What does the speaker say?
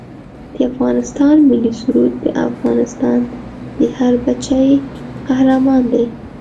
د افغانستان ملي سرود دا افغانستان دی هر بچه یې قهرمان دی